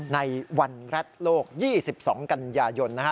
ในวันแร็ดโลก๒๒กันยายนนะฮะ